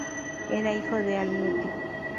Era hijo de Al-Muti.